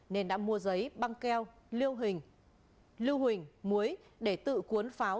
nên đã mua giấy băng keo lưu hình muối để tự cuốn pháo